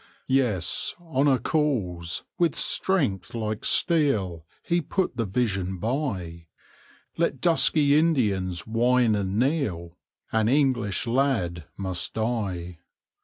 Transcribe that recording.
Yes, Honour calls! with strength like steel He put the vision by: Let dusky Indians whine and kneel; An English lad must die!